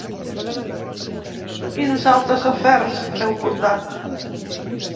Quins altres afers heu portat?